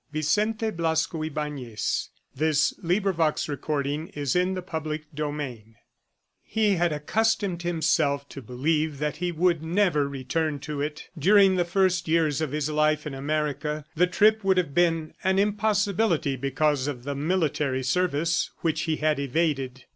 said the Frenchman, as though he were speaking of an unknown city. He had accustomed himself to believe that he would never return to it. During the first years of his life in America, the trip would have been an impossibility because of the military service which he had evaded.